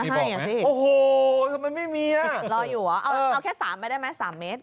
รออยู่หรอเอาแค่๓เมตรไปได้ไหม๓เมตร